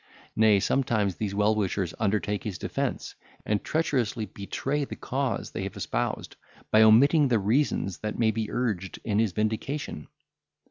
Nay, sometimes these well wishers undertake his defence, and treacherously betray the cause they have espoused, by omitting the reasons that may be urged in his vindication.